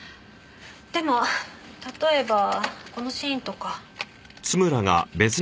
でも例えばこのシーンとか。